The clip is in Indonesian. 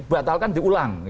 jadi batalkan diulang